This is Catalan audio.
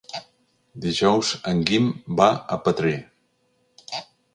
Dijous en Guim va a Petrer.